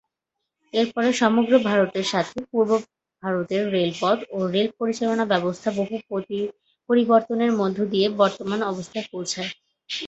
এর পরে সমগ্র ভারতের সাথে পূর্ব ভারতের রেলপথ ও রেল পরিচালনা ব্যবস্থা বহু পরিবর্তনের মধ্যদিয়ে বর্তমান অবস্থায় পৌঁছায়।